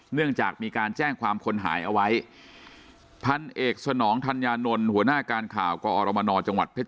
เนื่องจากมีการแจ้งความคนหายเอาไว้พันเอกสนองธัญญานนท์หัวหน้าการข่าวกอรมนจังหวัดเพชร